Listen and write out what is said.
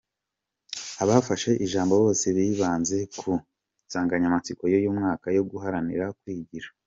Abafashe ijambo bose bibanze ku nsanganyamatsiko y’uyu mwaka yo guharanira kwigira.